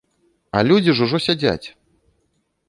А людзі ж ўжо сядзяць.